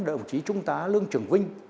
đồng chí trung tá lương trường vinh